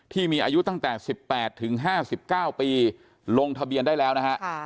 ที่มีอายุตั้งแต่สิบแปดถึงห้าสิบเก้าปีลงทะเบียนได้แล้วนะฮะค่ะ